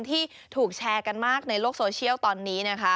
ที่ถูกแชร์กันมากในโลกโซเชียลตอนนี้นะคะ